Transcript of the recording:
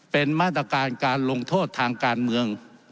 เป็นมาตรการการลงโทษทางการเมือง